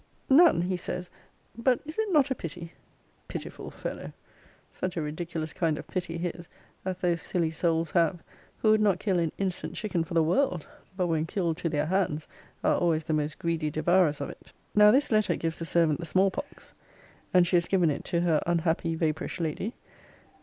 None, he says But is it not pity A pitiful fellow! Such a ridiculous kind of pity his, as those silly souls have, who would not kill an innocent chicken for the world; but when killed to their hands, are always the most greedy devourers of it. Now this letter gives the servant the small pox: and she has given it to her unhappy vapourish lady.